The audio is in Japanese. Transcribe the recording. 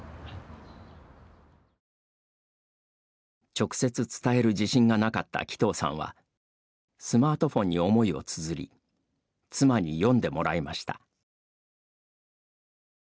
直接伝える自信がなかった鬼頭さんはスマートフォンに思いをつづり妻に読んでもらいました。